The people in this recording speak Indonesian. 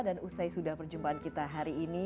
dan usai sudah perjumpaan kita hari ini